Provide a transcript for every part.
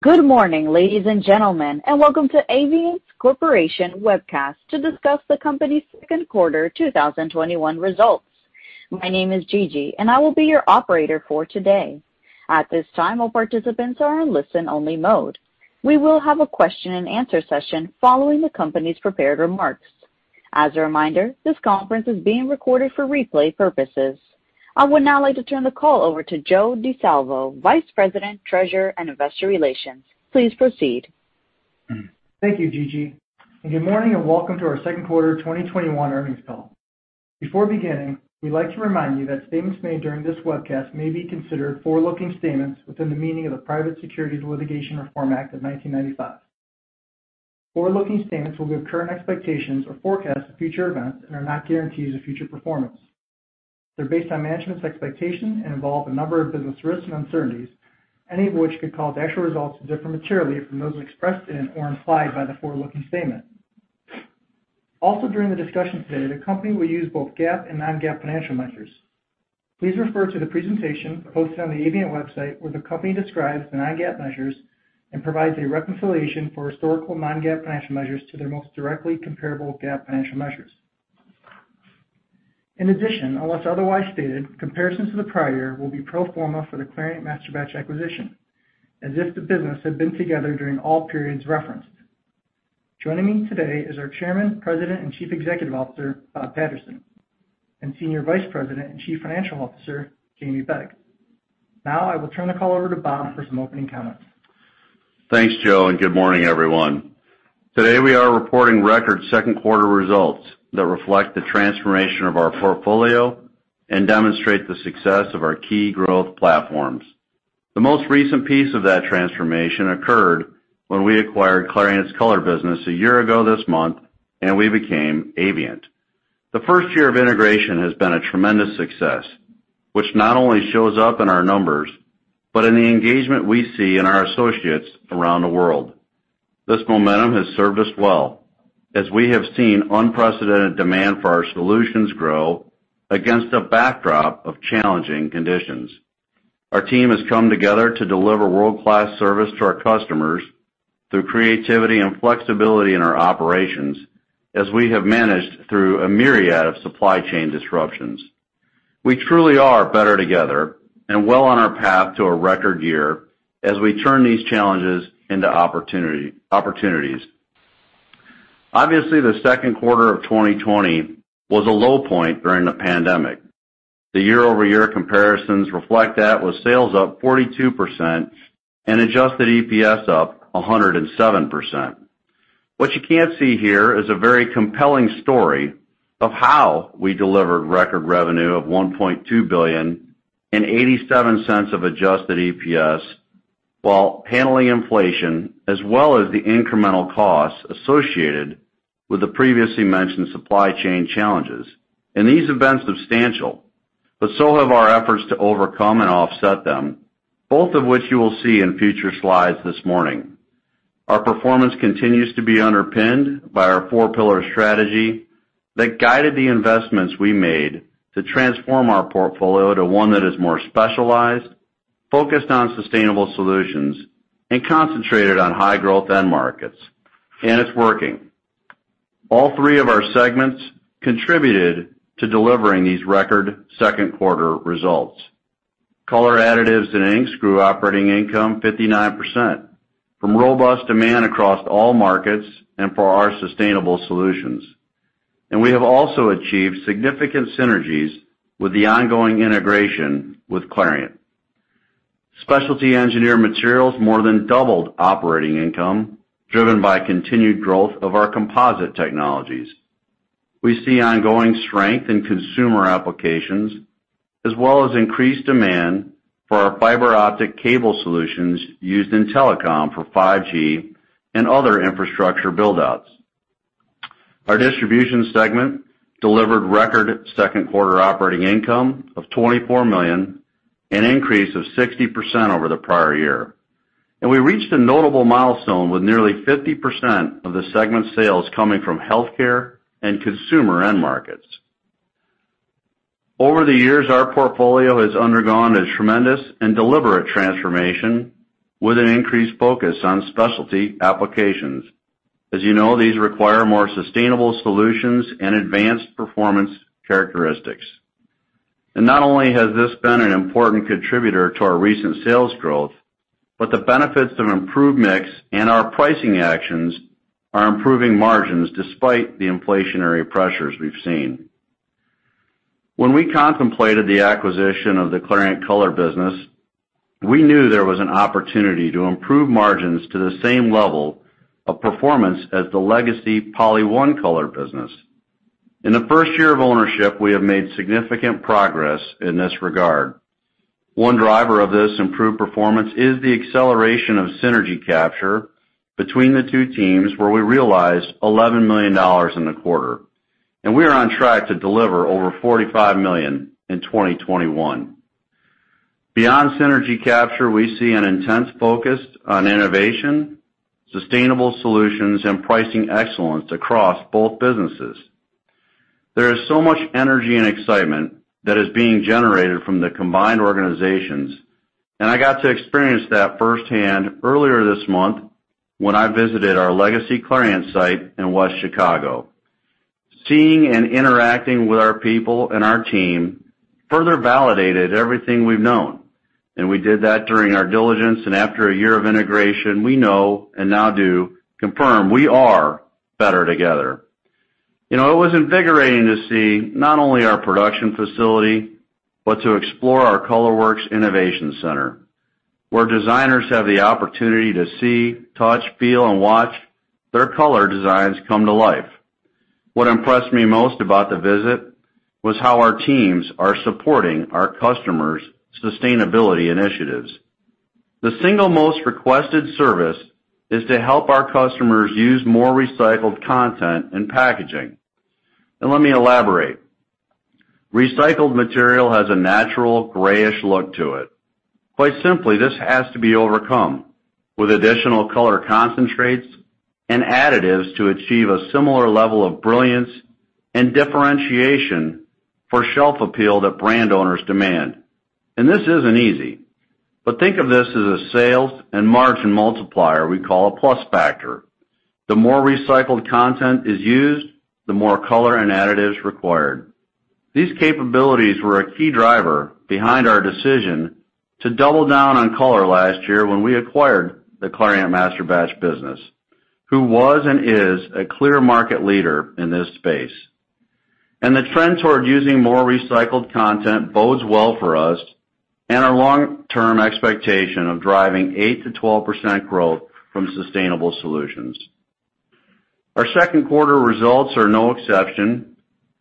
Good morning, ladies and gentlemen, and welcome to Avient Corporation webcast to discuss the company's second quarter 2021 results. My name is Gigi, and I will be your operator for today. At this time, all participants are in listen-only mode. We will have a question and answer session following the company's prepared remarks. As a reminder, this conference is being recorded for replay purposes. I would now like to turn the call over to Joe Di Salvo, Vice President, Treasurer, and Investor Relations. Please proceed. Thank you, Gigi, and good morning, and welcome to our second quarter 2021 earnings call. Before beginning, we'd like to remind you that statements made during this webcast may be considered forward-looking statements within the meaning of the Private Securities Litigation Reform Act of 1995. Forward-looking statements will give current expectations or forecasts of future events and are not guarantees of future performance. They're based on management's expectations and involve a number of business risks and uncertainties, any of which could cause actual results to differ materially from those expressed in or implied by the forward-looking statement. During the discussion today, the company will use both GAAP and non-GAAP financial measures. Please refer to the presentation posted on the Avient website, where the company describes the non-GAAP measures and provides a reconciliation for historical non-GAAP financial measures to their most directly comparable GAAP financial measures. In addition, unless otherwise stated, comparisons to the prior year will be pro forma for the Clariant Masterbatch acquisition, as if the business had been together during all periods referenced. Joining me today is our Chairman, President, and Chief Executive Officer, Bob Patterson, and Senior Vice President and Chief Financial Officer, Jamie Beggs. Now, I will turn the call over to Bob for some opening comments. Thanks, Joe. Good morning, everyone. Today we are reporting record second quarter results that reflect the transformation of our portfolio and demonstrate the success of our key growth platforms. The most recent piece of that transformation occurred when we acquired Clariant's color business a year ago this month. We became Avient. The first year of integration has been a tremendous success, which not only shows up in our numbers, but in the engagement we see in our associates around the world. This momentum has served us well as we have seen unprecedented demand for our solutions grow against a backdrop of challenging conditions. Our team has come together to deliver world-class service to our customers through creativity and flexibility in our operations as we have managed through a myriad of supply chain disruptions. We truly are better together and well on our path to a record year as we turn these challenges into opportunities. Obviously, the second quarter of 2020 was a low point during the pandemic. The year-over-year comparisons reflect that with sales up 42% and adjusted EPS up 107%. What you can't see here is a very compelling story of how we delivered record revenue of $1.2 billion and $0.87 of adjusted EPS while handling inflation as well as the incremental costs associated with the previously mentioned supply chain challenges. These events substantial, but so have our efforts to overcome and offset them, both of which you will see in future slides this morning. Our performance continues to be underpinned by our four pillar strategy that guided the investments we made to transform our portfolio to one that is more specialized, focused on sustainable solutions, and concentrated on high growth end markets. It's working. All three of our segments contributed to delivering these record second quarter results. Color, Additives and Inks grew operating income 59% from robust demand across all markets and for our sustainable solutions. We have also achieved significant synergies with the ongoing integration with Clariant. Specialty Engineered Materials more than doubled operating income, driven by continued growth of our composite technologies. We see ongoing strength in consumer applications as well as increased demand for our fiber optic cable solutions used in telecom for 5G and other infrastructure build-outs. Our Distribution segment delivered record second quarter operating income of $24 million, an increase of 60% over the prior year. We reached a notable milestone, with nearly 50% of the segment's sales coming from healthcare and consumer end markets. Over the years, our portfolio has undergone a tremendous and deliberate transformation with an increased focus on specialty applications. As you know, these require more sustainable solutions and advanced performance characteristics. Not only has this been an important contributor to our recent sales growth, but the benefits of improved mix and our pricing actions are improving margins despite the inflationary pressures we've seen. When we contemplated the acquisition of the Clariant Color business, we knew there was an opportunity to improve margins to the same level of performance as the legacy PolyOne Color business. In the first year of ownership, we have made significant progress in this regard. One driver of this improved performance is the acceleration of synergy capture between the two teams, where we realized $11 million in the quarter. We are on track to deliver over $45 million in 2021. Beyond synergy capture, we see an intense focus on innovation, sustainable solutions, and pricing excellence across both businesses. There is so much energy and excitement that is being generated from the combined organizations. I got to experience that firsthand earlier this month when I visited our legacy Clariant site in West Chicago. Seeing and interacting with our people and our team further validated everything we've known. We did that during our diligence. After a year of integration, we know and now do confirm we are better together. It was invigorating to see not only our production facility, but to explore our ColorWorks Innovation Center, where designers have the opportunity to see, touch, feel, and watch their color designs come to life. What impressed me most about the visit was how our teams are supporting our customers' sustainability initiatives. The single most requested service is to help our customers use more recycled content in packaging. Let me elaborate. Recycled material has a natural grayish look to it. Quite simply, this has to be overcome with additional color concentrates and additives to achieve a similar level of brilliance and differentiation for shelf appeal that brand owners demand. This isn't easy, but think of this as a sales and margin multiplier we call a plus factor. The more recycled content is used, the more color and additives required. These capabilities were a key driver behind our decision to double down on color last year when we acquired the Clariant Masterbatch business, who was and is a clear market leader in this space. The trend toward using more recycled content bodes well for us and our long-term expectation of driving 8%-12% growth from sustainable solutions. Our second quarter results are no exception,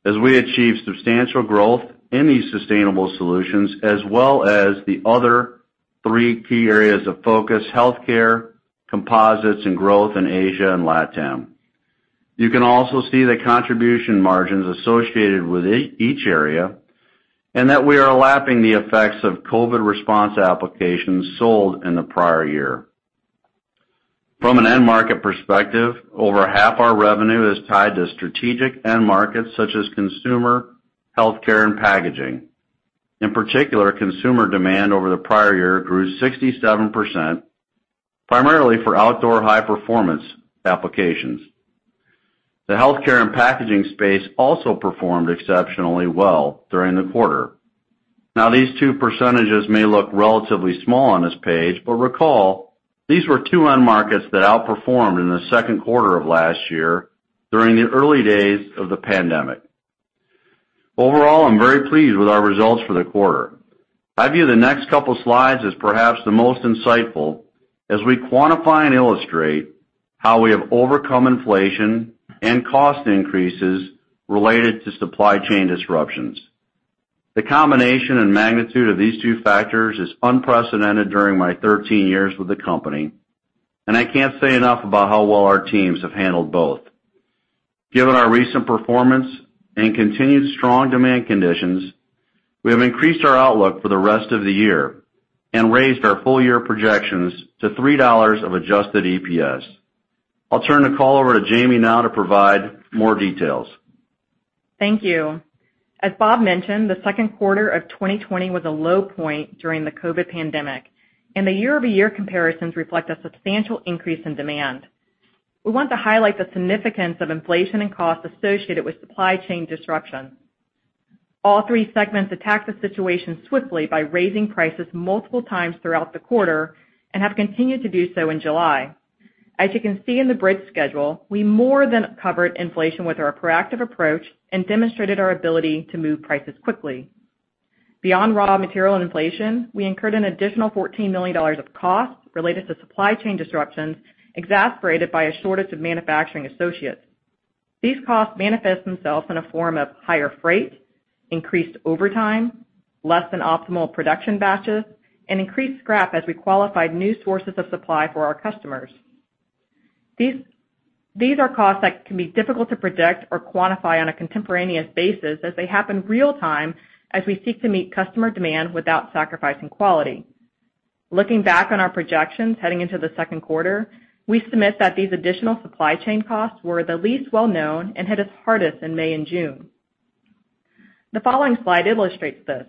as we achieve substantial growth in these sustainable solutions, as well as the other three key areas of focus, healthcare, composites, and growth in Asia and LATAM. You can also see the contribution margins associated with each area and that we are lapping the effects of COVID response applications sold in the prior year. From an end market perspective, over half our revenue is tied to strategic end markets such as consumer healthcare and packaging. In particular, consumer demand over the prior year grew 67%, primarily for outdoor high-performance applications. The healthcare and packaging space also performed exceptionally well during the quarter. These two percentages may look relatively small on this page, but recall, these were two end markets that outperformed in the second quarter of last year during the early days of the pandemic. Overall, I'm very pleased with our results for the quarter. I view the next couple of slides as perhaps the most insightful as we quantify and illustrate how we have overcome inflation and cost increases related to supply chain disruptions. The combination and magnitude of these two factors is unprecedented during my 13 years with the company, and I can't say enough about how well our teams have handled both. Given our recent performance and continued strong demand conditions, we have increased our outlook for the rest of the year and raised our full year projections to $3 of adjusted EPS. I'll turn the call over to Jamie now to provide more details. Thank you. As Bob mentioned, the second quarter of 2020 was a low point during the COVID pandemic, and the year-over-year comparisons reflect a substantial increase in demand. We want to highlight the significance of inflation and cost associated with supply chain disruption. All three segments attacked the situation swiftly by raising prices multiple times throughout the quarter and have continued to do so in July. As you can see in the bridge schedule, we more than covered inflation with our proactive approach and demonstrated our ability to move prices quickly. Beyond raw material and inflation, we incurred an additional $14 million of costs related to supply chain disruptions, exacerbated by a shortage of manufacturing associates. These costs manifest themselves in a form of higher freight, increased overtime, less than optimal production batches, and increased scrap as we qualified new sources of supply for our customers. These are costs that can be difficult to predict or quantify on a contemporaneous basis as they happen real-time as we seek to meet customer demand without sacrificing quality. Looking back on our projections heading into the second quarter, we submit that these additional supply chain costs were the least well-known and hit us hardest in May and June. The following slide illustrates this.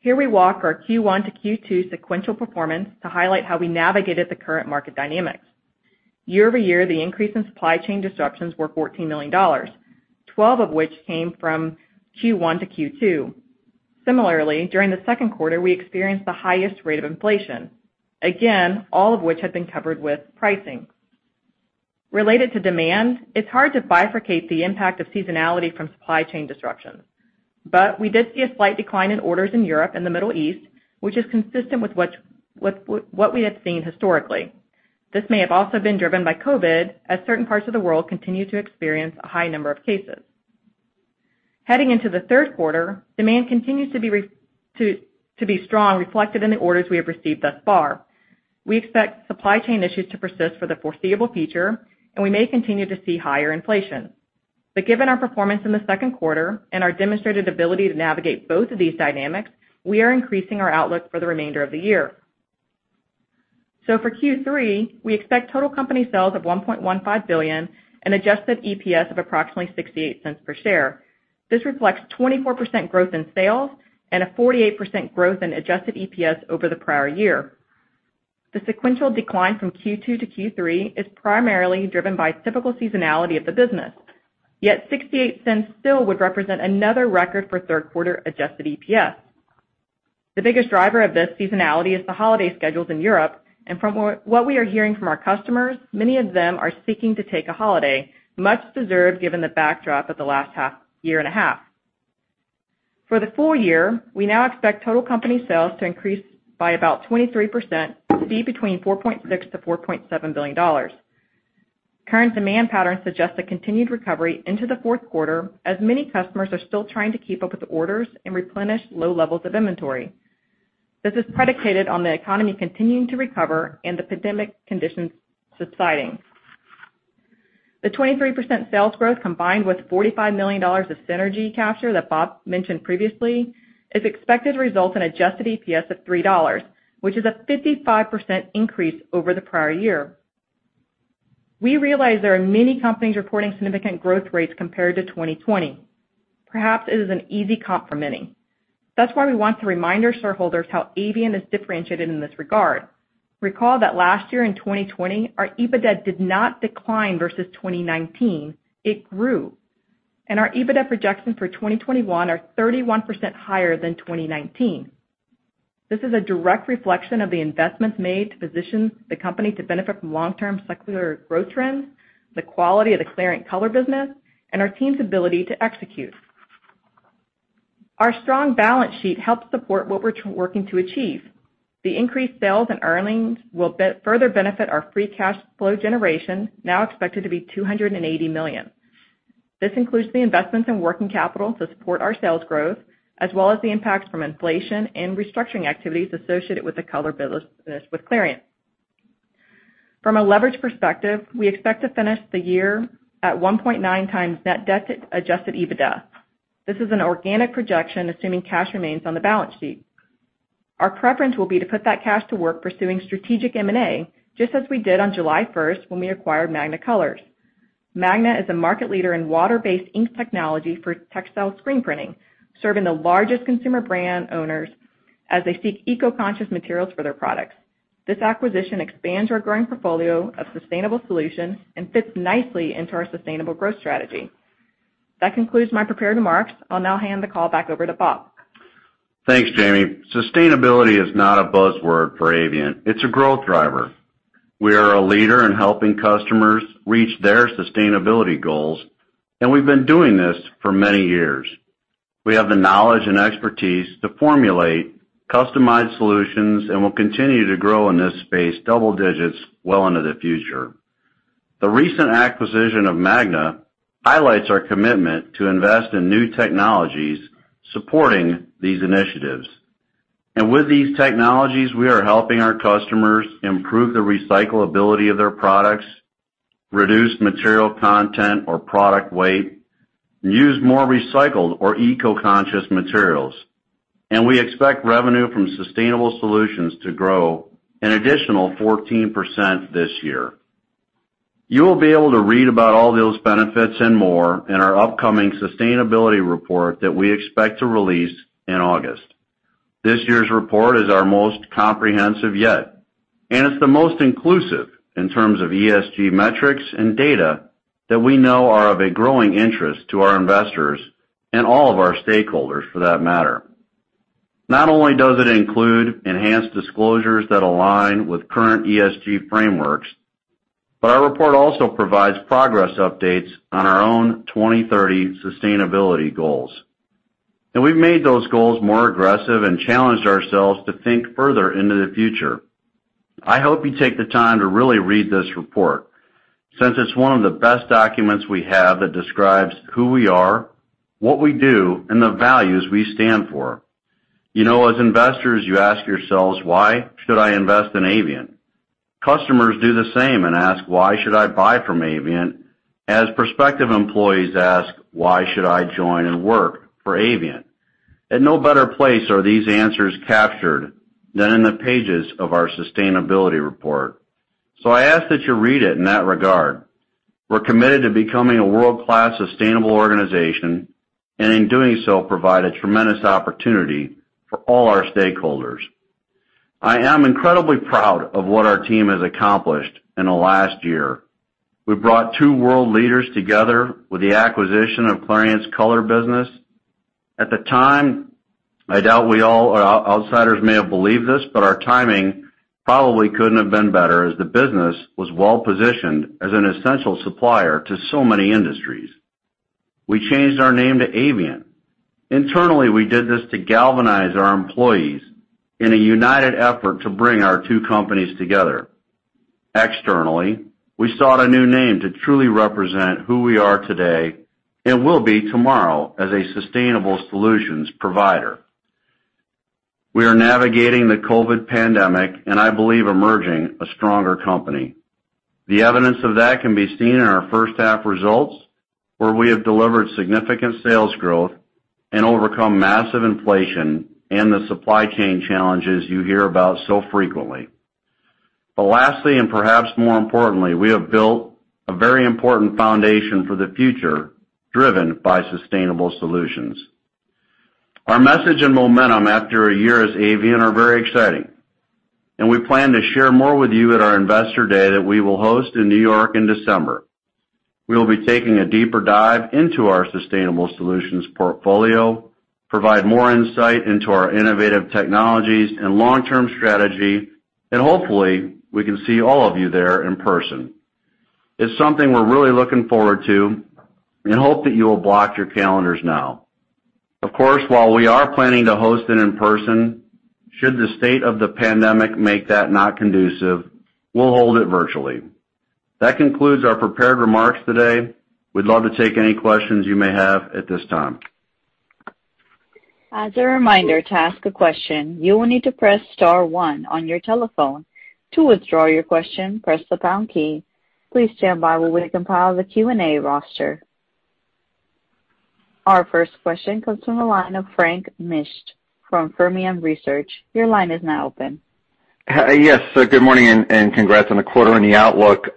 Here we walk our Q1 to Q2 sequential performance to highlight how we navigated the current market dynamics. Year-over-year, the increase in supply chain disruptions were $14 million, 12 of which came from Q1 to Q2. Similarly, during the second quarter, we experienced the highest rate of inflation, again, all of which had been covered with pricing. Related to demand, it's hard to bifurcate the impact of seasonality from supply chain disruptions. We did see a slight decline in orders in Europe and the Middle East, which is consistent with what we have seen historically. This may have also been driven by COVID, as certain parts of the world continue to experience a high number of cases. Heading into the third quarter, demand continues to be strong, reflected in the orders we have received thus far. We expect supply chain issues to persist for the foreseeable future, and we may continue to see higher inflation. Given our performance in the second quarter and our demonstrated ability to navigate both of these dynamics, we are increasing our outlook for the remainder of the year. For Q3, we expect total company sales of $1.15 billion and adjusted EPS of approximately $0.68 per share. This reflects 24% growth in sales and a 48% growth in adjusted EPS over the prior year. The sequential decline from Q2 to Q3 is primarily driven by typical seasonality of the business. Yet $0.68 still would represent another record for third quarter adjusted EPS. The biggest driver of this seasonality is the holiday schedules in Europe, and from what we are hearing from our customers, many of them are seeking to take a holiday, much deserved, given the backdrop of the last year and a half. For the full year, we now expect total company sales to increase by about 23%, to be between $4.6 billion-$4.7 billion. Current demand patterns suggest a continued recovery into the fourth quarter, as many customers are still trying to keep up with orders and replenish low levels of inventory. This is predicated on the economy continuing to recover and the pandemic conditions subsiding. The 23% sales growth, combined with $45 million of synergy capture that Bob mentioned previously, is expected to result in adjusted EPS of $3, which is a 55% increase over the prior year. We realize there are many companies reporting significant growth rates compared to 2020. Perhaps it is an easy comp for many. That's why we want to remind our shareholders how Avient is differentiated in this regard. Recall that last year in 2020, our EBITDA did not decline versus 2019. It grew. Our EBITDA projections for 2021 are 31% higher than 2019. This is a direct reflection of the investments made to position the company to benefit from long-term secular growth trends, the quality of the Clariant Color business, and our team's ability to execute. Our strong balance sheet helps support what we're working to achieve. The increased sales and earnings will further benefit our free cash flow generation, now expected to be $280 million. This includes the investments in working capital to support our sales growth, as well as the impact from inflation and restructuring activities associated with the color business with Clariant. From a leverage perspective, we expect to finish the year at 1.9x net debt adjusted EBITDA. This is an organic projection, assuming cash remains on the balance sheet. Our preference will be to put that cash to work pursuing strategic M&A, just as we did on July 1st when we acquired MagnaColours. Magna is a market leader in water-based ink technology for textile screen printing, serving the largest consumer brand owners as they seek eco-conscious materials for their products. This acquisition expands our growing portfolio of sustainable solutions and fits nicely into our sustainable growth strategy. That concludes my prepared remarks. I'll now hand the call back over to Bob. Thanks, Jamie. Sustainability is not a buzzword for Avient. It's a growth driver. We are a leader in helping customers reach their sustainability goals. We've been doing this for many years. We have the knowledge and expertise to formulate customized solutions and will continue to grow in this space double digits well into the future. The recent acquisition of Magna highlights our commitment to invest in new technologies supporting these initiatives. With these technologies, we are helping our customers improve the recyclability of their products, reduce material content or product weight, use more recycled or eco-conscious materials. We expect revenue from sustainable solutions to grow an additional 14% this year. You will be able to read about all those benefits and more in our upcoming sustainability report that we expect to release in August. This year's report is our most comprehensive yet, and it's the most inclusive in terms of ESG metrics and data that we know are of a growing interest to our investors and all of our stakeholders, for that matter. Not only does it include enhanced disclosures that align with current ESG frameworks, but our report also provides progress updates on our own 2030 sustainability goals. We've made those goals more aggressive and challenged ourselves to think further into the future. I hope you take the time to really read this report, since it's one of the best documents we have that describes who we are, what we do, and the values we stand for. You know, as investors, you ask yourselves, "Why should I invest in Avient?" Customers do the same and ask, "Why should I buy from Avient?" As prospective employees ask, "Why should I join and work for Avient?" At no better place are these answers captured than in the pages of our sustainability report. I ask that you read it in that regard. We're committed to becoming a world-class sustainable organization, and in doing so, provide a tremendous opportunity for all our stakeholders. I am incredibly proud of what our team has accomplished in the last year. We brought two world leaders together with the acquisition of Clariant's color business. At the time, I doubt outsiders may have believed this, but our timing probably couldn't have been better, as the business was well-positioned as an essential supplier to so many industries. We changed our name to Avient. Internally, we did this to galvanize our employees in a united effort to bring our two companies together. Externally, we sought a new name to truly represent who we are today and will be tomorrow as a sustainable solutions provider. We are navigating the COVID pandemic, and I believe emerging a stronger company. The evidence of that can be seen in our first half results, where we have delivered significant sales growth and overcome massive inflation and the supply chain challenges you hear about so frequently. Lastly, and perhaps more importantly, we have built a very important foundation for the future driven by sustainable solutions. Our message and momentum after a year as Avient are very exciting, and we plan to share more with you at our investor day that we will host in New York in December. We will be taking a deeper dive into our sustainable solutions portfolio, provide more insight into our innovative technologies and long-term strategy, and hopefully, we can see all of you there in person. It's something we're really looking forward to and hope that you will block your calendars now. Of course, while we are planning to host it in person, should the state of the pandemic make that not conducive, we'll hold it virtually. That concludes our prepared remarks today. We'd love to take any questions you may have at this time. As a reminder, to ask a question, you will need to press star one on your telephone. To withdraw your question, press the pound key. Please stand by while we compile the Q&A roster. Our first question comes from the line of Frank Mitsch from Fermium Research. Your line is now open. Yes. Good morning. Congrats on the quarter and the outlook.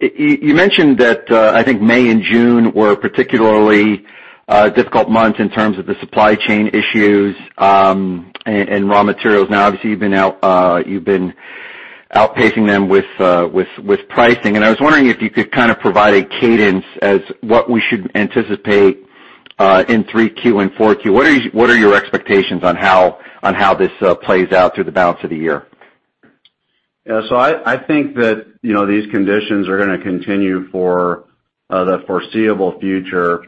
You mentioned that, I think, May and June were particularly difficult months in terms of the supply chain issues and raw materials. Now, obviously, you've been outpacing them with pricing. I was wondering if you could kind of provide a cadence as what we should anticipate in 3Q and 4Q. What are your expectations on how this plays out through the balance of the year? I think that these conditions are going to continue for the foreseeable future.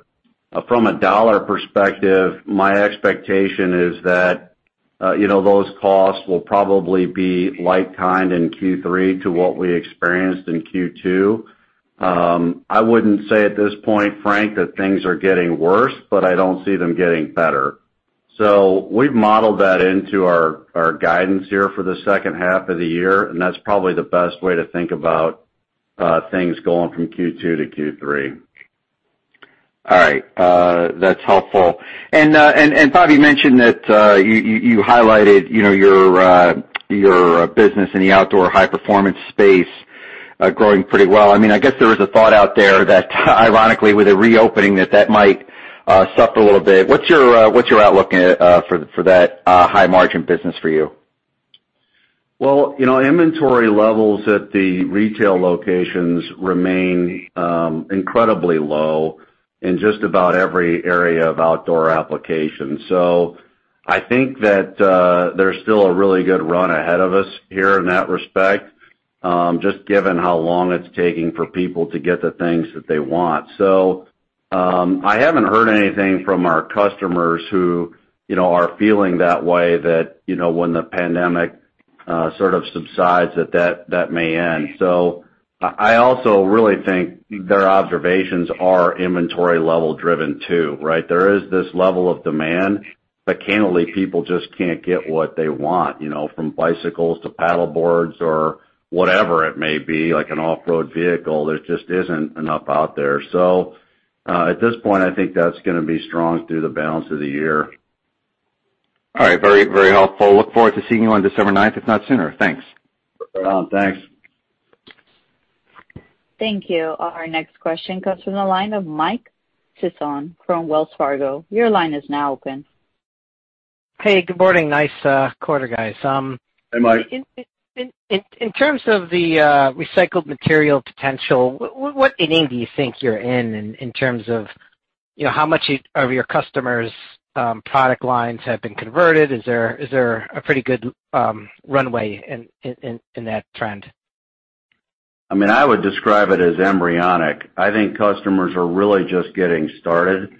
From a dollar perspective, my expectation is that those costs will probably be like kind in Q3 to what we experienced in Q2. I wouldn't say at this point, Frank, that things are getting worse, but I don't see them getting better. We've modeled that into our guidance here for the second half of the year, and that's probably the best way to think about things going from Q2 to Q3. All right. That's helpful. Bobby, you mentioned that you highlighted your business in the outdoor high-performance space growing pretty well. I guess there was a thought out there that ironically, with a reopening, that that might suffer a little bit. What's your outlook for that high margin business for you? Well, inventory levels at the retail locations remain incredibly low in just about every area of outdoor application. I think that there's still a really good run ahead of us here in that respect, just given how long it's taking for people to get the things that they want. I haven't heard anything from our customers who are feeling that way, that when the pandemic sort of subsides, that that may end. I also really think their observations are inventory level driven, too, right? There is this level of demand, but candidly, people just can't get what they want from bicycles to paddle boards or whatever it may be, like an off-road vehicle. There just isn't enough out there. At this point, I think that's going to be strong through the balance of the year. All right. Very helpful. Look forward to seeing you on December 9th, if not sooner. Thanks. Thanks. Thank you. Our next question comes from the line of Mike Sison from Wells Fargo. Your line is now open. Hey, good morning. Nice quarter, guys. Hey, Mike. In terms of the recycled material potential, what inning do you think you're in terms of how much of your customers' product lines have been converted? Is there a pretty good runway in that trend? I would describe it as embryonic. I think customers are really just getting started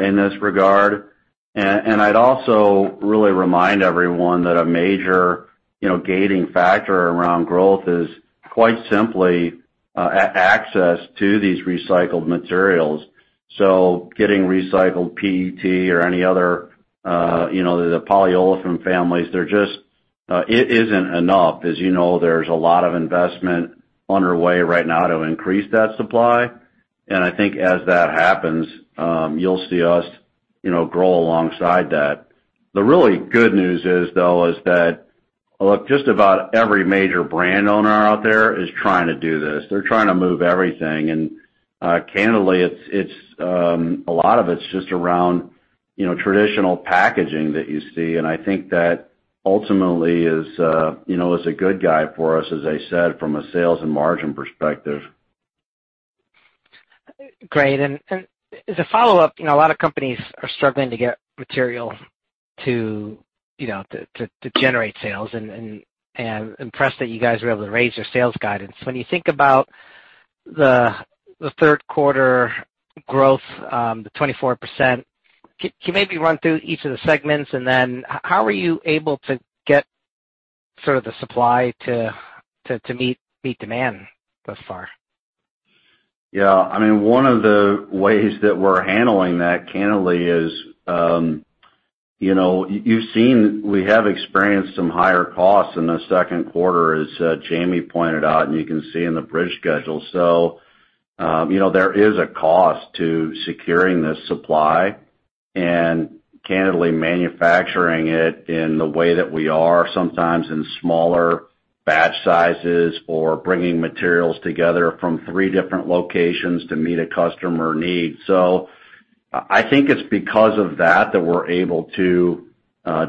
in this regard. I'd also really remind everyone that a major gating factor around growth is quite simply access to these recycled materials. Getting recycled PET or any other, the polyolefin families, it isn't enough. As you know, there's a lot of investment underway right now to increase that supply. I think as that happens, you'll see us grow alongside that. The really good news is, though, is that, look, just about every major brand owner out there is trying to do this. They're trying to move everything. Candidly, a lot of it's just around traditional packaging that you see. I think that ultimately is a good guy for us, as I said, from a sales and margin perspective. Great. As a follow-up, a lot of companies are struggling to get material to generate sales and impressed that you guys were able to raise your sales guidance. When you think about the third quarter growth, the 24%, can you maybe run through each of the segments? How are you able to get sort of the supply to meet demand thus far? One of the ways that we're handling that, candidly, is you've seen we have experienced some higher costs in the second quarter as Jamie pointed out, and you can see in the bridge schedule. There is a cost to securing this supply and candidly manufacturing it in the way that we are, sometimes in smaller batch sizes or bringing materials together from three different locations to meet a customer need. I think it's because of that we're able to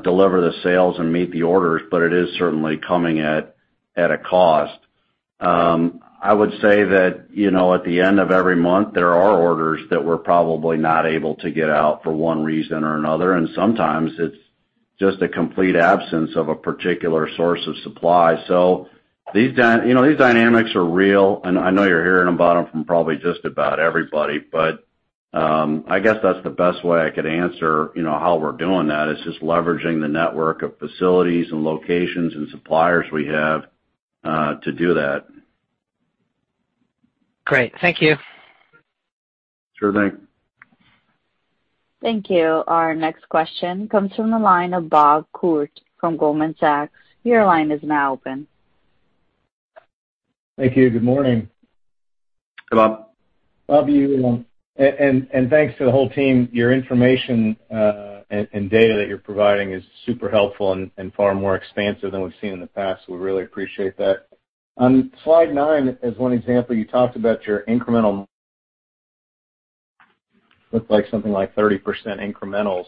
deliver the sales and meet the orders, but it is certainly coming at a cost. I would say that at the end of every month, there are orders that we're probably not able to get out for one reason or another, and sometimes it's just a complete absence of a particular source of supply. These dynamics are real, and I know you're hearing about them from probably just about everybody, but I guess that's the best way I could answer how we're doing that, is just leveraging the network of facilities and locations and suppliers we have to do that. Great. Thank you. Sure thing. Thank you. Our next question comes from the line of Bob Koort from Goldman Sachs. Your line is now open. Thank you. Good morning. Hey Bob. Bob, thanks to the whole team. Your information, data that you're providing is super helpful and far more expansive than we've seen in the past. We really appreciate that. On slide 9, as one example, you talked about your incremental looked like 30% incrementals.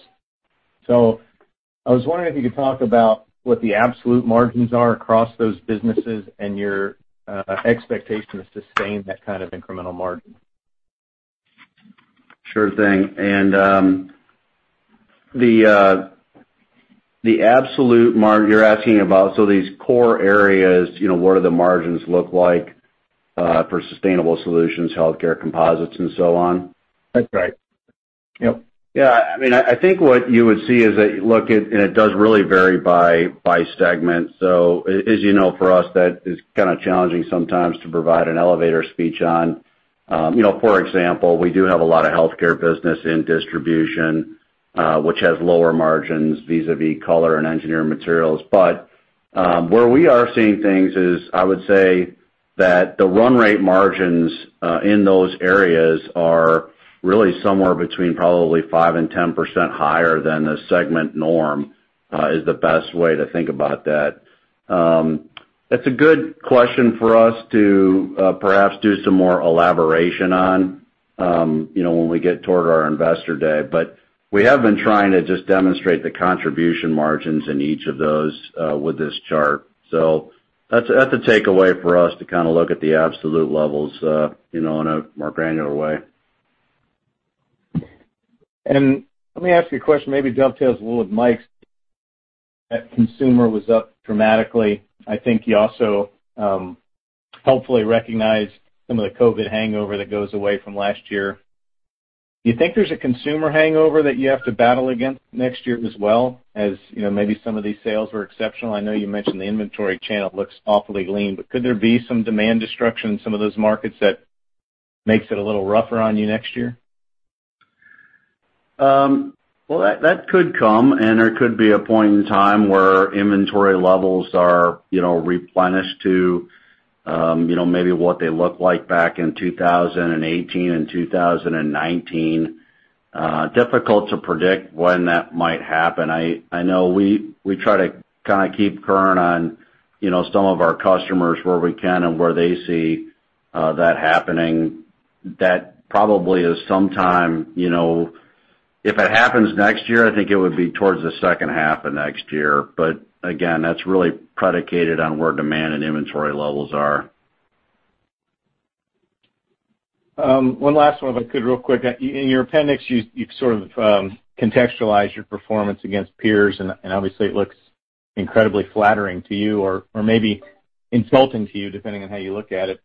I was wondering if you could talk about what the absolute margins are across those businesses and your expectations to sustain that kind of incremental margin. Sure thing. The absolute margin you're asking about, so these core areas, what do the margins look like for sustainable solutions, healthcare composites, and so on? That's right. Yep. I think what you would see is that it does really vary by segment. As you know, for us, that is kind of challenging sometimes to provide an elevator speech on. For example, we do have a lot of healthcare business in Distribution, which has lower margins vis-a-vis color and engineering materials. Where we are seeing things is, I would say that the run rate margins in those areas are really somewhere between probably 5% and 10% higher than the segment norm, is the best way to think about that. That's a good question for us to perhaps do some more elaboration on when we get toward our investor day. We have been trying to just demonstrate the contribution margins in each of those, with this chart. That's a takeaway for us to kind of look at the absolute levels in a more granular way. Let me ask you a question, maybe dovetails a little with Mike's. That consumer was up dramatically. I think he also hopefully recognized some of the COVID hangover that goes away from last year. Do you think there's a consumer hangover that you have to battle against next year as well? Maybe some of these sales were exceptional. I know you mentioned the inventory channel looks awfully lean. Could there be some demand destruction in some of those markets that makes it a little rougher on you next year? Well, that could come, and there could be a point in time where inventory levels are replenished to maybe what they looked like back in 2018 and 2019. Difficult to predict when that might happen. I know we try to kind of keep current on some of our customers where we can and where they see that happening. That probably is sometime If it happens next year, I think it would be towards the second half of next year. Again, that's really predicated on where demand and inventory levels are. One last one if I could, real quick. In your appendix, you sort of contextualized your performance against peers, and obviously it looks incredibly flattering to you or maybe insulting to you, depending on how you look at it.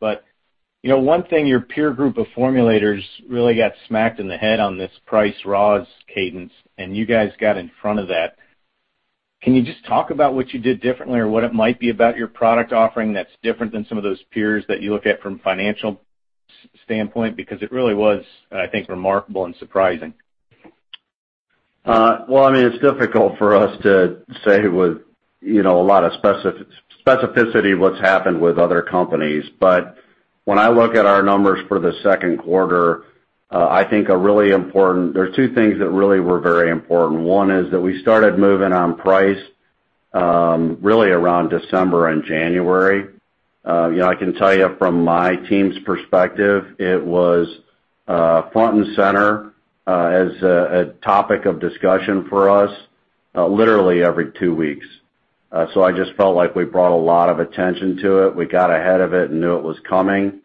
One thing your peer group of formulators really got smacked in the head on this price raws cadence, and you guys got in front of that. Can you just talk about what you did differently or what it might be about your product offering that's different than some of those peers that you look at from financial standpoint? It really was, I think, remarkable and surprising. Well, it's difficult for us to say with a lot of specificity what's happened with other companies. When I look at our numbers for the second quarter, there's two things that really were very important. One is that we started moving on price, really around December and January. I can tell you from my team's perspective, it was front and center as a topic of discussion for us literally every two weeks. I just felt like we brought a lot of attention to it. We got ahead of it and knew it was coming.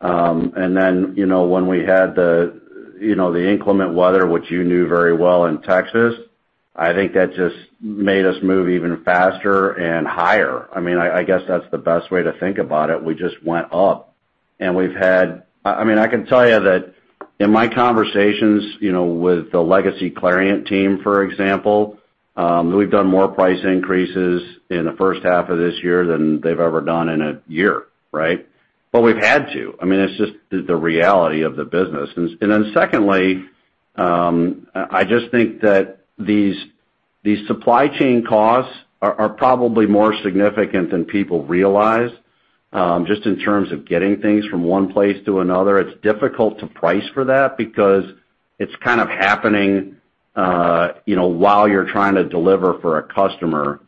When we had the inclement weather, which you knew very well in Texas, I think that just made us move even faster and higher. I guess that's the best way to think about it. We just went up. We've had, I can tell you that in my conversations with the legacy Clariant team, for example, we've done more price increases in the 1st half of this year than they've ever done in a year, right? We've had to. It's just the reality of the business. Secondly, I just think that these supply chain costs are probably more significant than people realize, just in terms of getting things from one place to another. It's difficult to price for that because it's kind of happening while you're trying to deliver for a customer.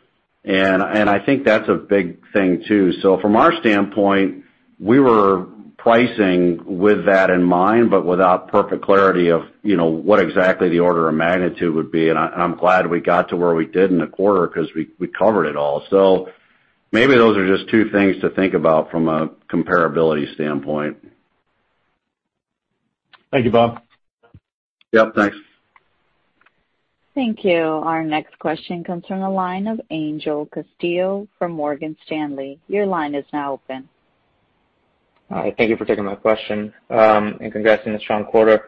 I think that's a big thing, too. From our standpoint, we were pricing with that in mind, without perfect clarity of what exactly the order of magnitude would be. I'm glad we got to where we did in the quarter because we covered it all. Maybe those are just two things to think about from a comparability standpoint. Thank you, Bob. Yep, thanks. Thank you. Our next question comes from the line of Angel Castillo from Morgan Stanley. Your line is now open. Hi, thank you for taking my question, and congrats on a strong quarter.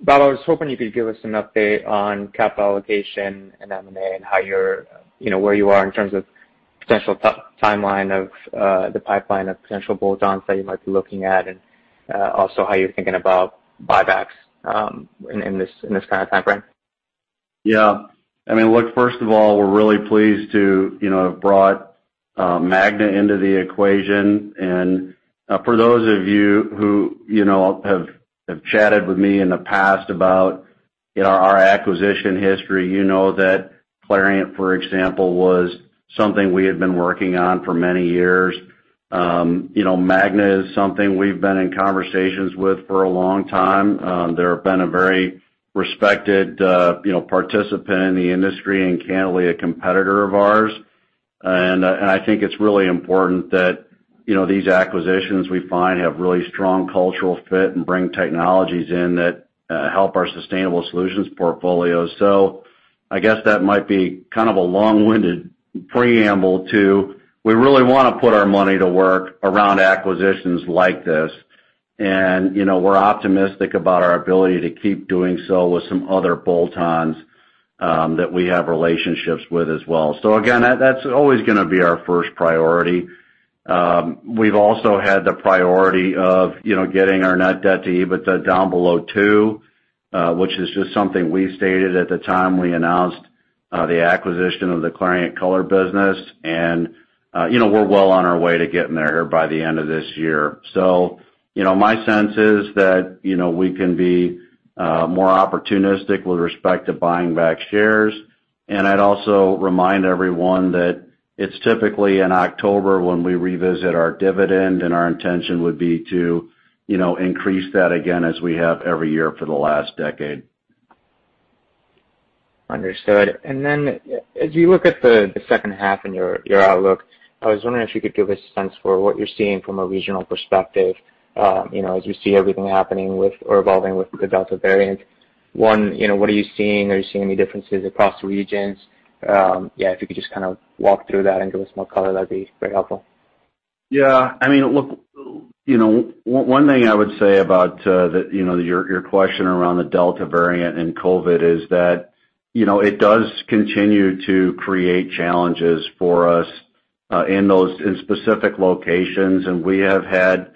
Bob, I was hoping you could give us an update on capital allocation and M&A and where you are in terms of potential timeline of the pipeline of potential bolt-ons that you might be looking at, and also how you're thinking about buybacks in this kind of timeframe? Yeah. Look, first of all, we're really pleased to have brought Magna into the equation. For those of you who have chatted with me in the past about our acquisition history, you know that Clariant, for example, was something we had been working on for many years. Magna is something we've been in conversations with for a long time. They have been a very respected participant in the industry and candidly a competitor of ours. I think it's really important that these acquisitions we find have really strong cultural fit and bring technologies in that help our sustainable solutions portfolio. I guess that might be kind of a long-winded preamble to, we really want to put our money to work around acquisitions like this. We're optimistic about our ability to keep doing so with some other bolt-ons that we have relationships with as well. Again, that's always going to be our first priority. We've also had the priority of getting our net debt to EBITDA down below 2x, which is just something we stated at the time we announced the acquisition of the Clariant Color business. We're well on our way to getting there by the end of this year. My sense is that we can be more opportunistic with respect to buying back shares. I'd also remind everyone that it's typically in October when we revisit our dividend, and our intention would be to increase that again as we have every year for the last decade. Understood. As you look at the second half in your outlook, I was wondering if you could give a sense for what you're seeing from a regional perspective as you see everything happening with or evolving with the Delta variant. One, what are you seeing? Are you seeing any differences across the regions? If you could just kind of walk through that and give us more color, that'd be very helpful. Yeah. Look, one thing I would say about your question around the Delta variant and COVID is that it does continue to create challenges for us in specific locations, and we have had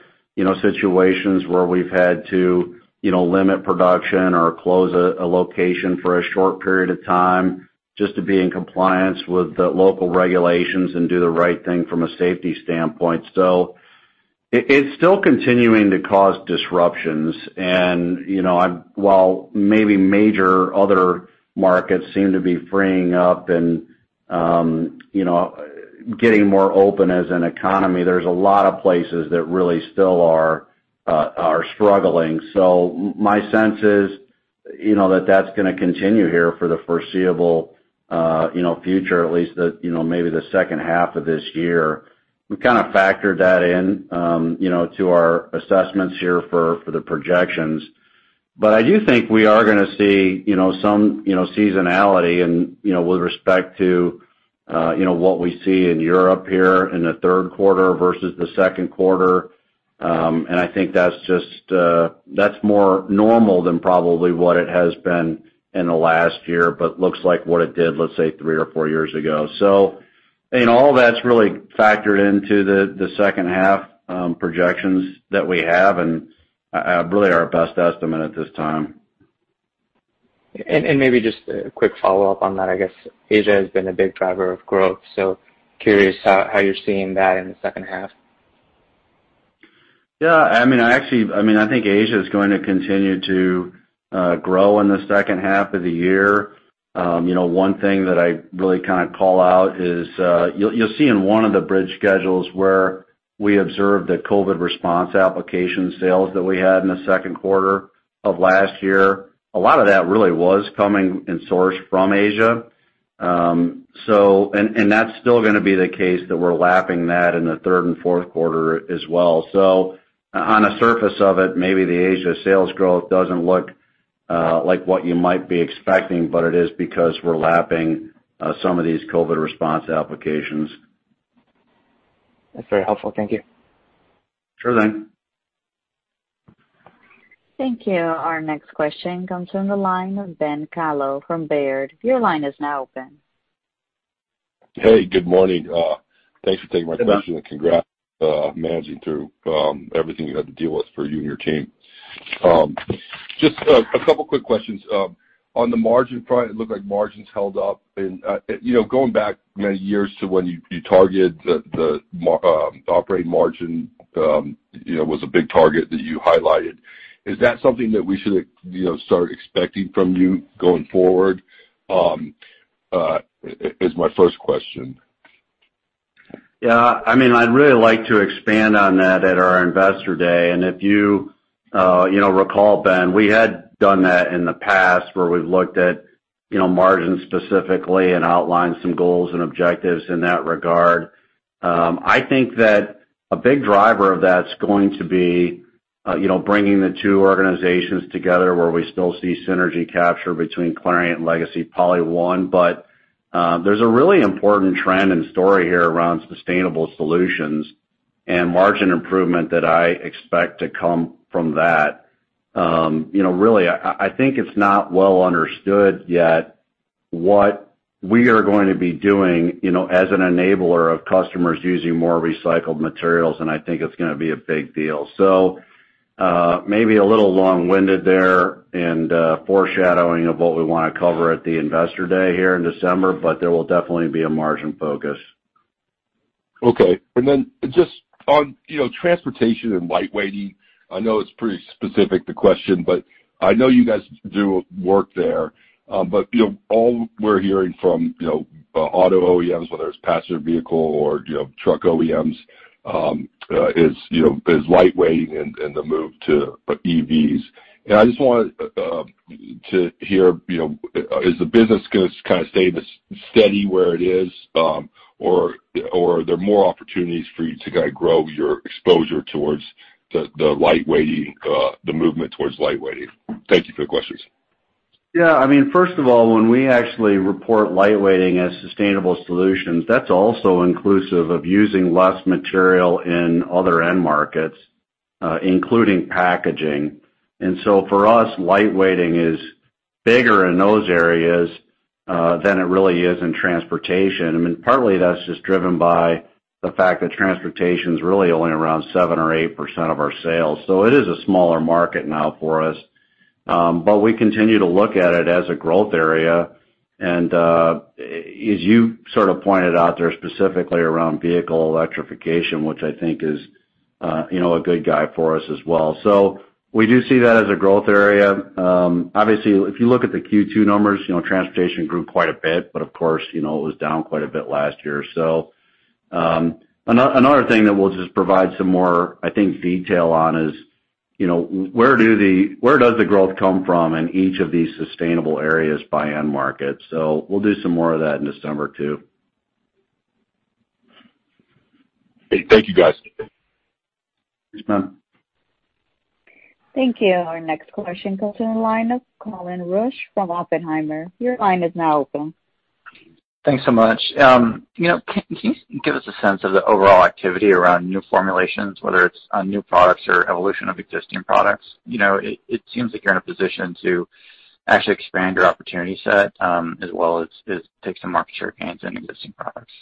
situations where we've had to limit production or close a location for a short period of time just to be in compliance with the local regulations and do the right thing from a safety standpoint. It's still continuing to cause disruptions. While maybe major other markets seem to be freeing up and getting more open as an economy, there's a lot of places that really still are struggling. My sense is that that's going to continue here for the foreseeable future, at least maybe the second half of this year. We kind of factored that in to our assessments here for the projections. I do think we are going to see some seasonality with respect to what we see in Europe here in the third quarter versus the second quarter. I think that's more normal than probably what it has been in the last year, but looks like what it did, let's say, three or four years ago. All that's really factored into the second half projections that we have and really our best estimate at this time. Maybe just a quick follow-up on that, I guess Asia has been a big driver of growth, so curious how you're seeing that in the second half. Yeah. Actually, I think Asia is going to continue to grow in the second half of the year. One thing that I really kind of call out is you'll see in one of the bridge schedules where we observed the COVID response application sales that we had in the second quarter of last year. A lot of that really was coming and sourced from Asia. That's still going to be the case that we're lapping that in the third and fourth quarter as well. On the surface of it, maybe the Asia sales growth doesn't look like what you might be expecting, but it is because we're lapping some of these COVID response applications. That's very helpful. Thank you. Sure thing. Thank you. Our next question comes from the line of Ben Kallo from Baird. Your line is now open. Hey, good morning. Thanks for taking my question. Good morning. Congrats managing through everything you had to deal with for you and your team. Just a couple quick questions. On the margin front, it looked like margins held up and going back many years to when you targeted the operating margin was a big target that you highlighted. Is that something that we should start expecting from you going forward? Is my first question. Yeah. I'd really like to expand on that at our investor day, and if you recall, Ben, we had done that in the past where we've looked at margins specifically and outlined some goals and objectives in that regard. I think that a big driver of that's going to be bringing the two organizations together where we still see synergy capture between Clariant legacy and PolyOne. There's a really important trend and story here around sustainable solutions and margin improvement that I expect to come from that. Really, I think it's not well understood yet what we are going to be doing as an enabler of customers using more recycled materials, and I think it's going to be a big deal. Maybe a little long-winded there and foreshadowing of what we want to cover at the investor day here in December, but there will definitely be a margin focus. Okay. Just on transportation and lightweighting, I know it's pretty specific, the question, but I know you guys do work there. All we're hearing from auto OEMs, whether it's passenger vehicle or truck OEMs, is lightweighting and the move to EVs. I just wanted to hear, is the business going to kind of stay steady where it is? Are there more opportunities for you to grow your exposure towards the movement towards lightweighting? Thank you for the questions. First of all, when we actually report lightweighting as sustainable solutions, that's also inclusive of using less material in other end markets, including packaging. For us, lightweighting is bigger in those areas than it really is in transportation. Partly that's just driven by the fact that transportation's really only around 7% or 8% of our sales, so it is a smaller market now for us. We continue to look at it as a growth area, and as you sort of pointed out there specifically around vehicle electrification, which I think is a good guide for us as well. We do see that as a growth area. Obviously, if you look at the Q2 numbers, transportation grew quite a bit, but of course, it was down quite a bit last year or so. Another thing that we'll just provide some more, I think, detail on is where does the growth come from in each of these sustainable areas by end market. We'll do some more of that in December, too. Thank you, guys. Yes, man. Thank you. Our next question comes from the line of Colin Rusch from Oppenheimer. Thanks so much. Can you give us a sense of the overall activity around new formulations, whether it is on new products or evolution of existing products? It seems like you are in a position to actually expand your opportunity set, as well as take some market share gains in existing products.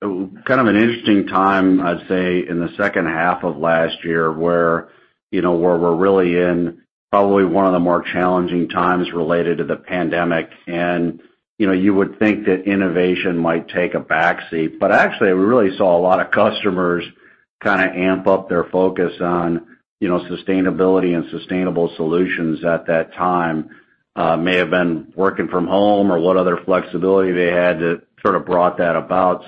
There was kind of an interesting time, I'd say, in the second half of last year where we're really in probably one of the more challenging times related to the pandemic. You would think that innovation might take a back seat, but actually, we really saw a lot of customers kind of amp up their focus on sustainability and sustainable solutions at that time. May have been working from home or what other flexibility they had that sort of brought that about.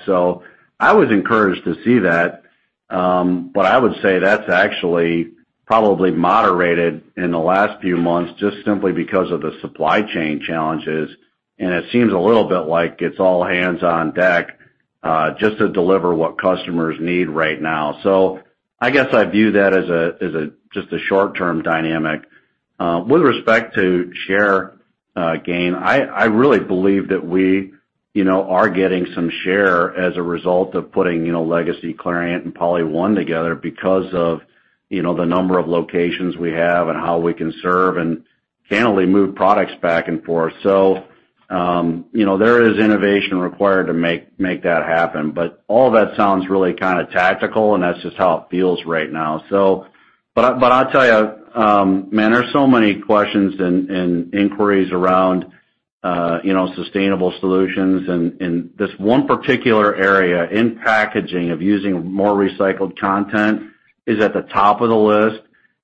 I was encouraged to see that. I would say that's actually probably moderated in the last few months just simply because of the supply chain challenges, and it seems a little bit like it's all hands on deck, just to deliver what customers need right now. I guess I view that as just a short-term dynamic. With respect to share gain, I really believe that we are getting some share as a result of putting legacy Clariant and PolyOne together because of the number of locations we have and how we can serve and can only move products back and forth. There is innovation required to make that happen. All that sounds really kind of tactical, and that's just how it feels right now. I'll tell you, man, there's so many questions and inquiries around sustainable solutions, and this one particular area in packaging of using more recycled content is at the top of the list,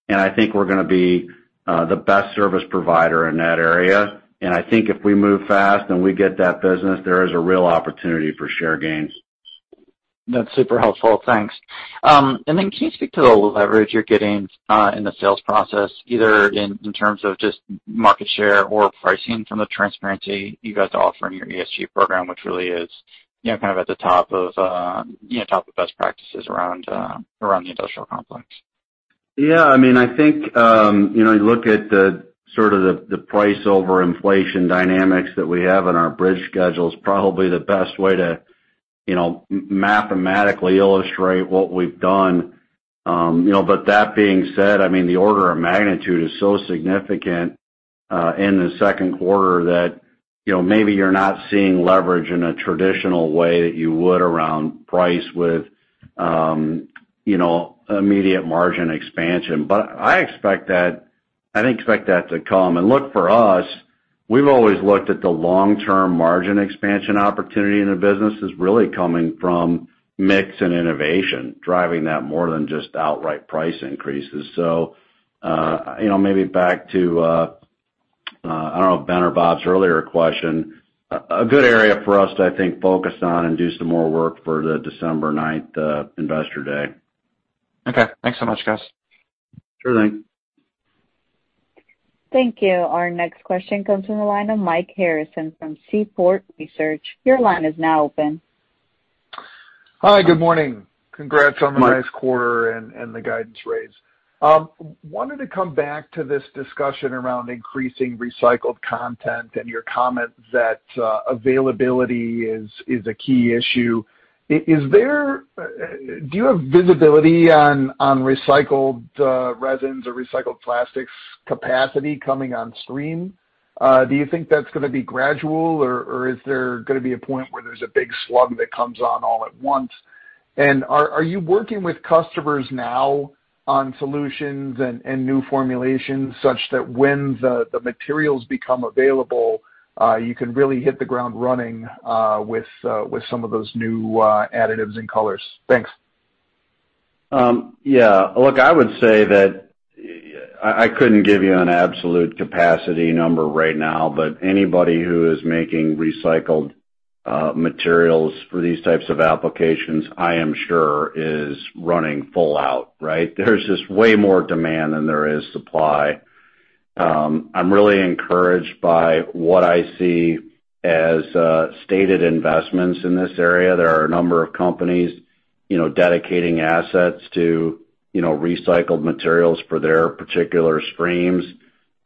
and I think we're going to be the best service provider in that area. I think if we move fast and we get that business, there is a real opportunity for share gains. That's super helpful. Thanks. Can you speak to the leverage you're getting in the sales process, either in terms of just market share or pricing from the transparency you guys offer in your ESG program, which really is kind of at the top of best practices around the industrial complex? Yeah, I think you look at the price over inflation dynamics that we have in our bridge schedules, probably the best way to mathematically illustrate what we've done. That being said, the order of magnitude is so significant in the second quarter that maybe you're not seeing leverage in a traditional way that you would around price with immediate margin expansion. I'd expect that to come. Look, for us, we've always looked at the long-term margin expansion opportunity in the business is really coming from mix and innovation, driving that more than just outright price increases. Maybe back to, I don't know, Ben or Bob's earlier question, a good area for us to, I think, focus on and do some more work for the December 9th Investor Day. Okay. Thanks so much, guys. Sure thing. Thank you. Our next question comes from the line of Mike Harrison from Seaport Research. Your line is now open. Hi, good morning. Congrats on- Hi. ...the nice quarter and the guidance raise. I wanted to come back to this discussion around increasing recycled content and your comments that availability is a key issue. Do you have visibility on recycled resins or recycled plastics capacity coming on stream? Do you think that's going to be gradual, or is there going to be a point where there's a big slug that comes on all at once? Are you working with customers now on solutions and new formulations, such that when the materials become available, you can really hit the ground running with some of those new additives and colors? Thanks. Look, I would say that I couldn't give you an absolute capacity number right now, but anybody who is making recycled materials for these types of applications, I am sure is running full out, right? There's just way more demand than there is supply. I'm really encouraged by what I see as stated investments in this area. There are a number of companies dedicating assets to recycled materials for their particular streams.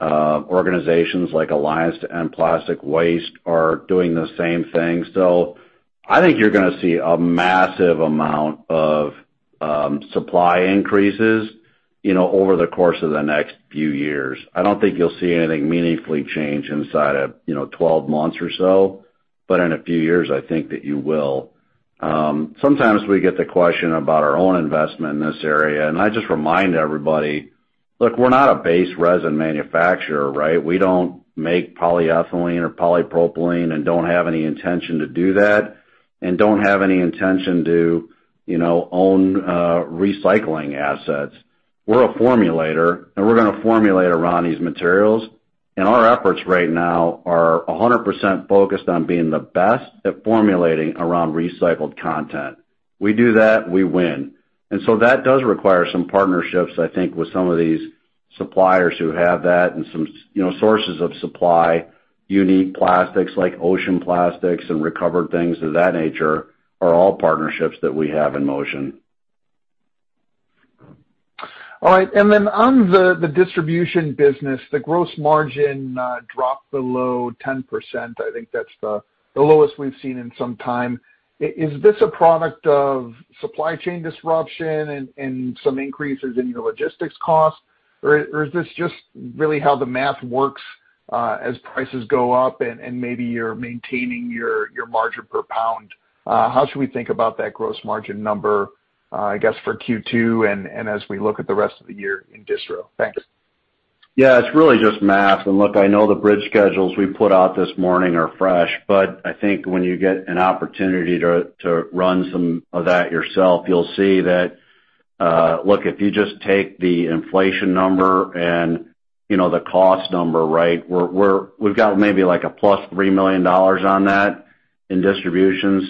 Organizations like Alliance to End Plastic Waste are doing the same thing. I think you're going to see a massive amount of supply increases over the course of the next few years. I don't think you'll see anything meaningfully change inside of 12 months or so. In a few years, I think that you will. Sometimes we get the question about our own investment in this area, and I just remind everybody, look, we're not a base resin manufacturer, right? We don't make polyethylene or polypropylene and don't have any intention to do that, and don't have any intention to own recycling assets. We're a formulator, and we're going to formulate around these materials, and our efforts right now are 100% focused on being the best at formulating around recycled content. We do that, we win. That does require some partnerships, I think, with some of these suppliers who have that and some sources of supply, unique plastics like ocean plastics and recovered things of that nature are all partnerships that we have in motion. All right. On the Distribution business, the gross margin dropped below 10%. I think that's the lowest we've seen in some time. Is this a product of supply chain disruption and some increases in your logistics cost, or is this just really how the math works as prices go up and maybe you're maintaining your margin per pound? How should we think about that gross margin number, I guess, for Q2 and as we look at the rest of the year in Distribution? Thanks. Yeah, it's really just math. Look, I know the bridge schedules we put out this morning are fresh, but I think when you get an opportunity to run some of that yourself, you'll see that, look, if you just take the inflation number and the cost number, right? We've got maybe like a plus $3 million on that in Distribution.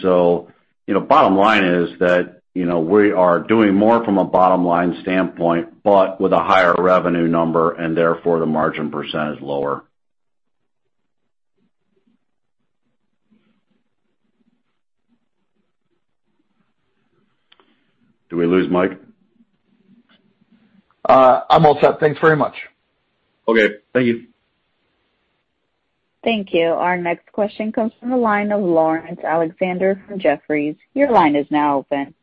Bottom line is that we are doing more from a bottom-line standpoint, but with a higher revenue number, and therefore, the margin percent is lower. Did we lose Mike? I'm all set. Thanks very much. Okay. Thank you. Thank you. Our next question comes from the line of Laurence Alexander from Jefferies. Your line is now open.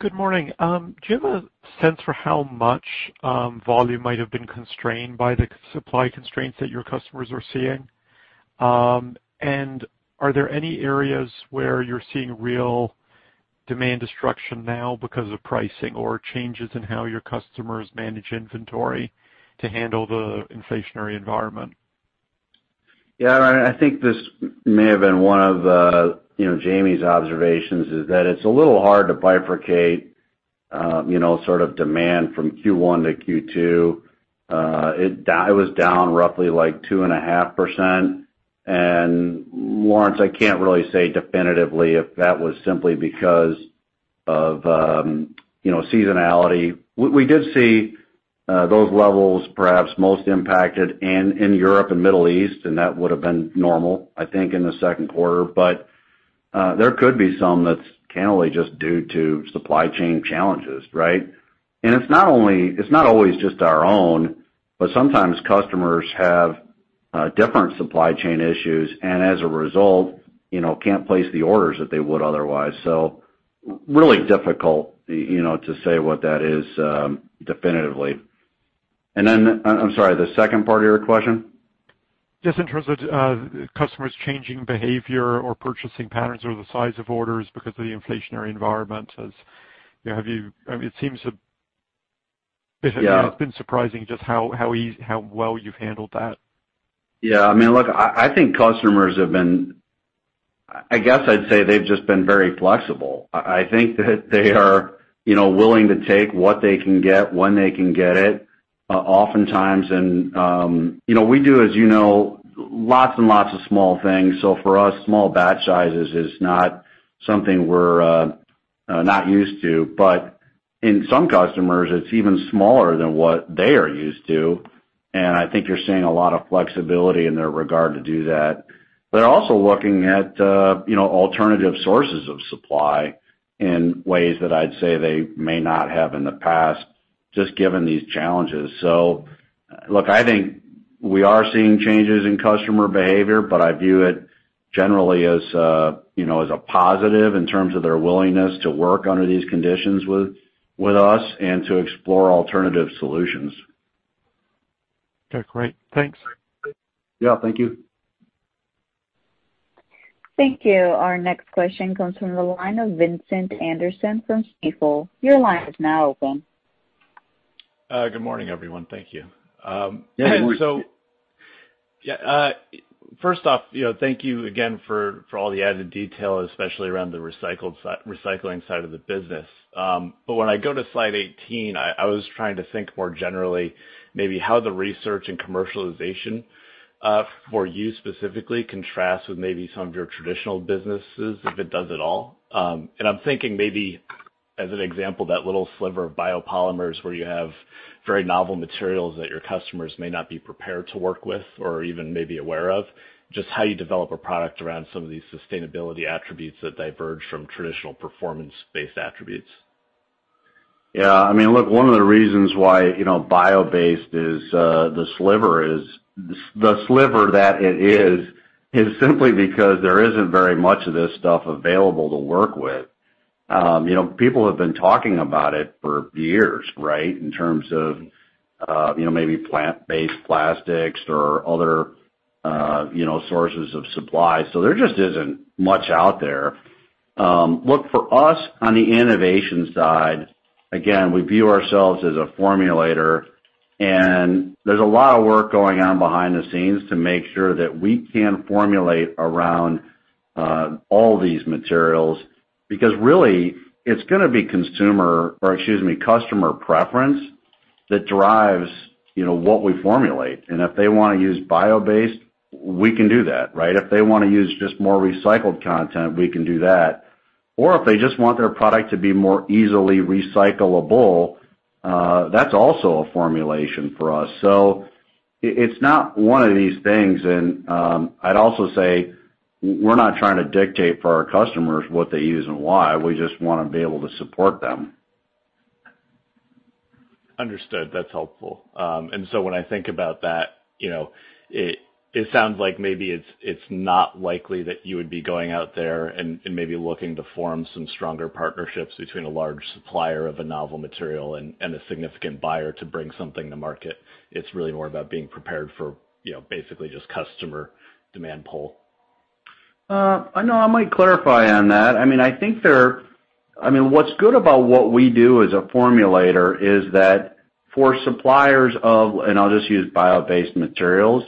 Good morning. Do you have a sense for how much volume might have been constrained by the supply constraints that your customers are seeing? Are there any areas where you're seeing real demand destruction now because of pricing or changes in how your customers manage inventory to handle the inflationary environment? Yeah, I think this may have been one of Jamie's observations, is that it's a little hard to bifurcate demand from Q1 to Q2. It was down roughly 2.5%. Laurence, I can't really say definitively if that was simply because of seasonality. We did see those levels perhaps most impacted in Europe and Middle East, and that would've been normal, I think, in the second quarter. There could be some that's candidly just due to supply chain challenges, right? It's not always just our own, but sometimes customers have different supply chain issues, and as a result, can't place the orders that they would otherwise. Really difficult to say what that is definitively. Then, I'm sorry, the second part of your question? Just in terms of customers changing behavior or purchasing patterns or the size of orders because of the inflationary environment. Yeah. It's been surprising just how well you've handled that. Yeah. Look, I think customers have been I guess I'd say they've just been very flexible. I think that they are willing to take what they can get when they can get it oftentimes. We do, as you know, lots and lots of small things. For us, small batch sizes is not something we're not used to. In some customers, it's even smaller than what they are used to, and I think you're seeing a lot of flexibility in their regard to do that. They're also looking at alternative sources of supply in ways that I'd say they may not have in the past, just given these challenges. Look, I think we are seeing changes in customer behavior, but I view it generally as a positive in terms of their willingness to work under these conditions with us and to explore alternative solutions. Okay, great. Thanks. Yeah, thank you. Thank you. Our next question comes from the line of Vincent Anderson from Stifel. Good morning, everyone. Thank you. Yeah, good morning. First off, thank you again for all the added detail, especially around the recycling side of the business. When I go to slide 18, I was trying to think more generally maybe how the research and commercialization for you specifically contrasts with maybe some of your traditional businesses, if it does at all. I'm thinking maybe as an example, that little sliver of biopolymers where you have very novel materials that your customers may not be prepared to work with or even maybe aware of. Just how you develop a product around some of these sustainability attributes that diverge from traditional performance-based attributes. Yeah. One of the reasons why bio-based is the sliver that it is simply because there isn't very much of this stuff available to work with. People have been talking about it for years, right, in terms of maybe plant-based plastics or other sources of supply. There just isn't much out there. Look, for us, on the innovation side, again, we view ourselves as a formulator, and there's a lot of work going on behind the scenes to make sure that we can formulate around all these materials, because really, it's going to be customer preference that drives what we formulate. If they want to use bio-based, we can do that, right? If they want to use just more recycled content, we can do that. If they just want their product to be more easily recyclable, that's also a formulation for us. It's not one of these things. I'd also say we're not trying to dictate for our customers what they use and why. We just want to be able to support them. Understood. That's helpful. When I think about that, it sounds like maybe it's not likely that you would be going out there and maybe looking to form some stronger partnerships between a large supplier of a novel material and a significant buyer to bring something to market. It's really more about being prepared for basically just customer demand pull. No, I might clarify on that. What's good about what we do as a formulator is that for suppliers of, and I'll just use bio-based materials,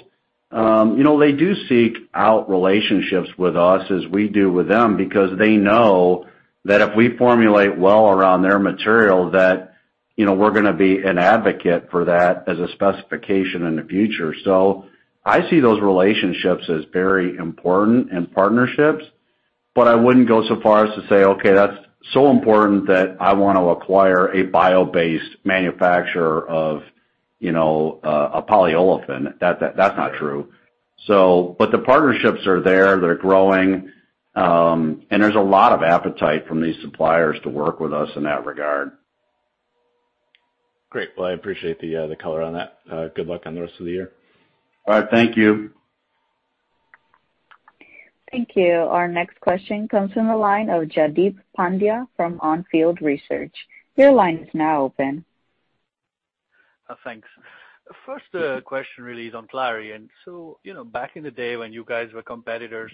they do seek out relationships with us as we do with them because they know that if we formulate well around their material, that we're going to be an advocate for that as a specification in the future. I see those relationships as very important in partnerships, but I wouldn't go so far as to say, "Okay, that's so important that I want to acquire a bio-based manufacturer of a polyolefin." That's not true. The partnerships are there. They're growing. There's a lot of appetite from these suppliers to work with us in that regard. Great. Well, I appreciate the color on that. Good luck on the rest of the year. All right, thank you. Thank you. Our next question comes from the line of Jaideep Pandya from On Field Research. Your line is now open. Thanks. First question really is on Clariant. Back in the day when you guys were competitors,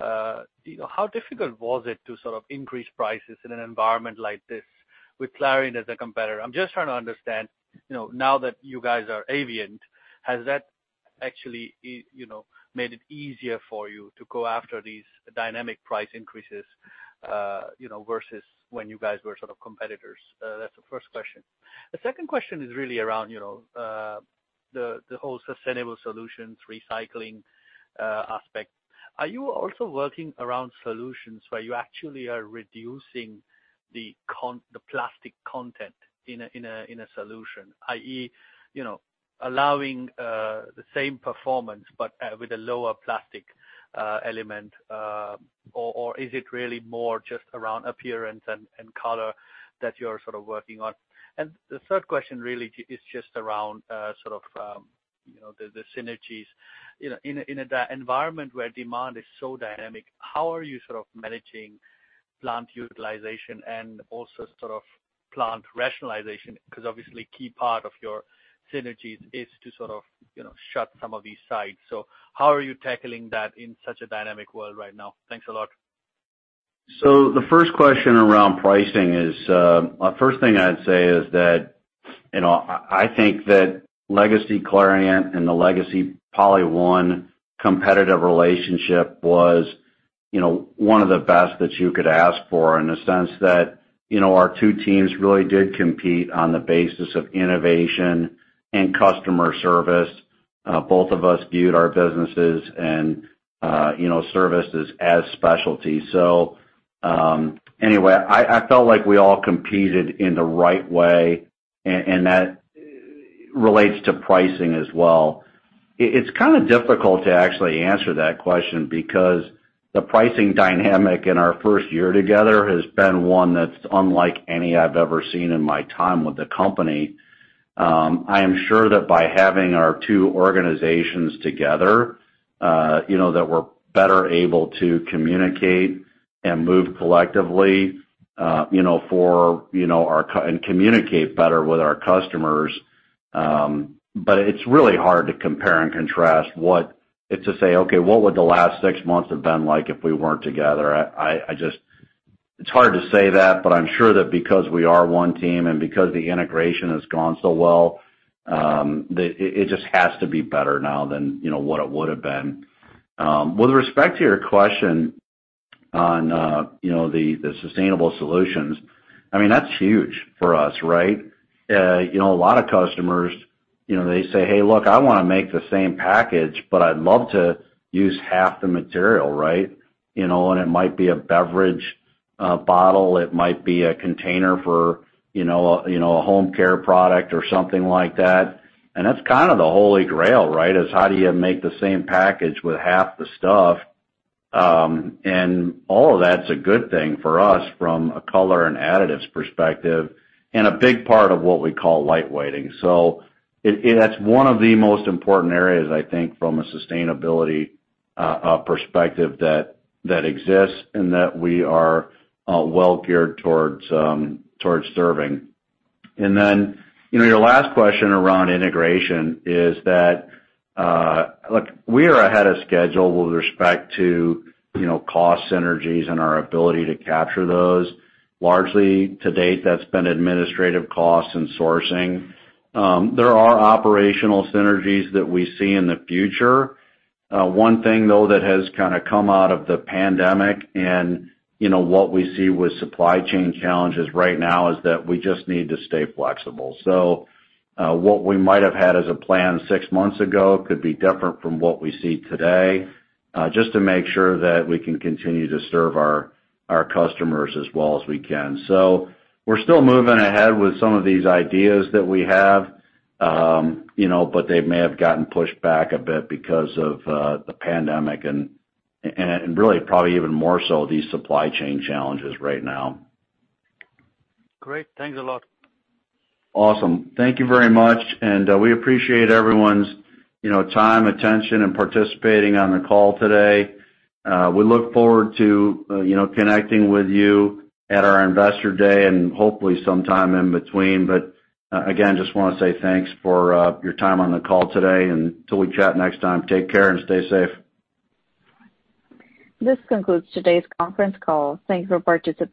how difficult was it to sort of increase prices in an environment like this with Clariant as a competitor? I'm just trying to understand, now that you guys are Avient, has that actually made it easier for you to go after these dynamic price increases versus when you guys were sort of competitors? That's the first question. The second question is really around the whole sustainable solutions recycling aspect. Are you also working around solutions where you actually are reducing the plastic content in a solution, i.e., allowing the same performance but with a lower plastic element, or is it really more just around appearance and color that you're sort of working on? The third question really is just around sort of the synergies. In an environment where demand is so dynamic, how are you sort of managing plant utilization and also sort of plant rationalization? Obviously, key part of your synergies is to sort of shut some of these sites. How are you tackling that in such a dynamic world right now? Thanks a lot. The first question around pricing is, first thing I'd say is that, I think that legacy Clariant and the legacy PolyOne competitive relationship was one of the best that you could ask for in the sense that our two teams really did compete on the basis of innovation and customer service. Both of us viewed our businesses and services as specialties. Anyway, I felt like we all competed in the right way, and that relates to pricing as well. It's kind of difficult to actually answer that question because the pricing dynamic in our first year together has been one that's unlike any I've ever seen in my time with the company. I am sure that by having our two organizations together, that we're better able to communicate and move collectively, and communicate better with our customers. It's really hard to compare and contrast what would the last six months have been like if we weren't together? It's hard to say that, but I'm sure that because we are one team and because the integration has gone so well, it just has to be better now than what it would've been. With respect to your question on the sustainable solutions, I mean, that's huge for us, right? A lot of customers, they say, "Hey, look, I want to make the same package, but I'd love to use half the material," right? That's kind of the holy grail, right? Is how do you make the same package with half the stuff? All of that's a good thing for us from a color and additives perspective, and a big part of what we call lightweighting. That's one of the most important areas, I think, from a sustainability perspective that exists and that we are well geared towards serving. Then, your last question around integration is that, look, we are ahead of schedule with respect to cost synergies and our ability to capture those. Largely to date, that's been administrative costs and sourcing. There are operational synergies that we see in the future. One thing though that has kind of come out of the pandemic, and what we see with supply chain challenges right now is that we just need to stay flexible. What we might have had as a plan six months ago could be different from what we see today, just to make sure that we can continue to serve our customers as well as we can. We're still moving ahead with some of these ideas that we have, but they may have gotten pushed back a bit because of the pandemic, and really probably even more so these supply chain challenges right now. Great. Thanks a lot. Awesome. Thank you very much. We appreciate everyone's time, attention, and participating on the call today. We look forward to connecting with you at our Investor Day and hopefully sometime in between. Again, just want to say thanks for your time on the call today, and till we chat next time, take care and stay safe. This concludes today's conference call. Thank you for participating.